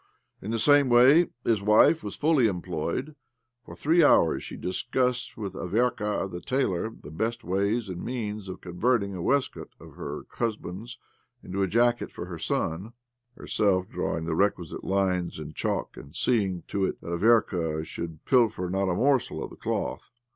In the same way, his wife was fully employed. For three hours she discussed with Averka, the tailor, the best ways and means of converting a waistcoat of her husband's into a jacket for her son— herself drawing the requisite lines in chalk, and seeing to it that Averka should pilfer not a morsel of the cloth.